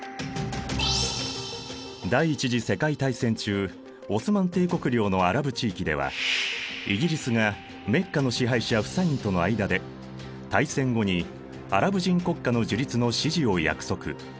第一次世界大戦中オスマン帝国領のアラブ地域ではイギリスがメッカの支配者フサインとの間で大戦後にアラブ人国家の樹立の支持を約束。